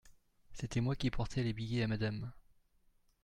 C’était moi qui portais les billets à Madame.